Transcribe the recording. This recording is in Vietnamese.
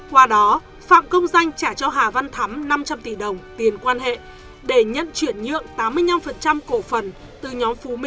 qua đó phạm công danh trả cho hà văn thắm năm trăm linh tỷ đồng tiền quan hệ để nhận chuyển nhượng tám mươi năm cổ phần